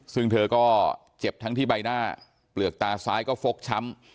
ซึ่งเธอก็เจ็บทั้งที่ใบหน้าเปลือกตาซ้ายก็ฟกช้ำ